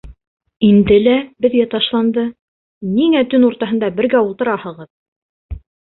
Инде лә беҙгә ташланды: «Ниңә төн уртаһында бергә ултыраһығыҙ?»